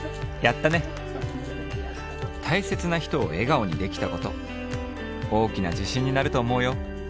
たいせつな人を笑顔にできたこと大きなじしんになると思うよ。